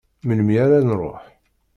Melmi ara nruḥ.